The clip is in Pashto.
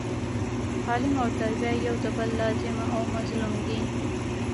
تعلیم او تربیه یو د بل لازم او ملزوم دي